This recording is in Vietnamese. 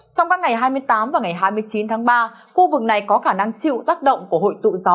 trong các ngày hai mươi tám và ngày hai mươi chín tháng ba khu vực này có khả năng chịu tác động của hội tụ gió